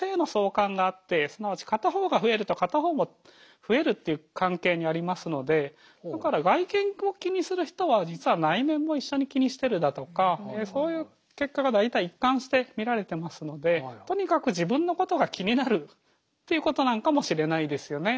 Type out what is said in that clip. ただ２つのものってっていう関係にありますのでだから外見を気にする人は実は内面も一緒に気にしてるだとかそういう結果が大体一貫して見られてますのでとにかく自分のことが気になるということなのかもしれないですよね。